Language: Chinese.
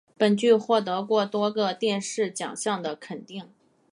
本剧获得过多个电视奖项的肯定。